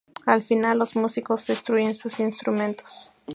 Al final, los músicos destruyen sus instrumentos.